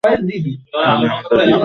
আপনি আমাদের পিতা।